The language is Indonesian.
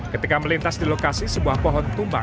ketika melintas di lokasi sebuah pohon tumbang